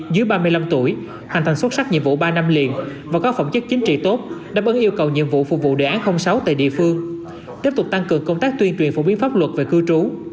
dưới ba mươi năm tuổi hành thành xuất sắc nhiệm vụ ba năm liền và có phỏng chức chính trị tốt đáp ứng yêu cầu nhiệm vụ